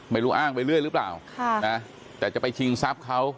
ไม่รู้อ้างไปเรื่อยหรือเปล่าแต่จะไปชิงทรัพย์เขา